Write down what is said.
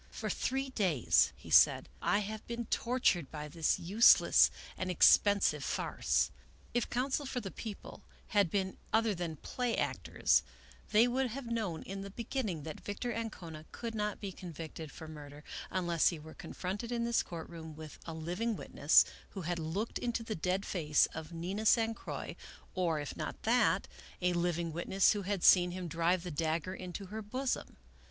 " For three days," he said, " I have been tortured by this useless and expensive farce. If counsel for the People had been other than play actors, they would have known in the beginning that Victor Ancona could not be convicted for murder, unless he were confronted in this court room with a living witness, who had looked into the dead face of Nina San Croix; or, if not that, a living witness who had seen him drive the dagger into her bosom.